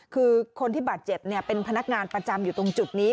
คือคนที่บาดเจ็บเป็นพนักงานประจำอยู่ตรงจุดนี้